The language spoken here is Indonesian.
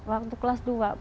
waktu kelas dua pak